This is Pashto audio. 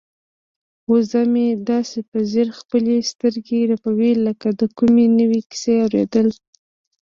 وزه مې داسې په ځیر خپلې سترګې رپوي لکه د کومې نوې کیسې اوریدل.